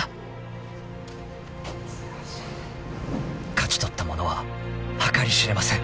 ［勝ち取ったものは計り知れません］